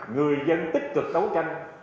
người dân tích cực đấu tranh